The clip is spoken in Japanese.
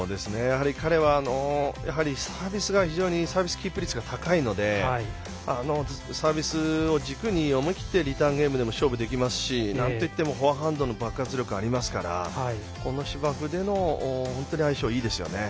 彼はサービスキープ率が高いのでサービスを軸に思い切ってリターンゲームでも勝負できますしなんといってもフォアハンドの爆発力がありますからこの芝生でも相性がいいですね。